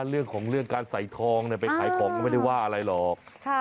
เรื่องของเรื่องการใส่ทองไปขายของก็ไม่ได้ว่าอะไรหรอก